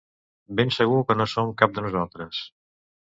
Ben segur que no som cap de nosaltres.